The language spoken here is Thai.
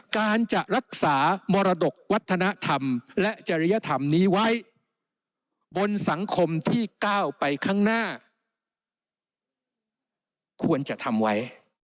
การจะรักษามรดกวัฒนธรรมและจริยธรรมนี้ไว้บนสังคมที่ก้าวไปข้างหน้าควรจะทำไว้